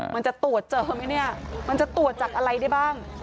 มันจะตรวจเจอไหมเนี่ยมันจะตรวจจากอะไรได้บ้าง